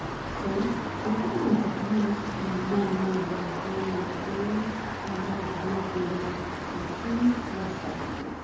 So, for thousands of years, when men made their home in the forest, and wanted nothing else, the trees were sacred.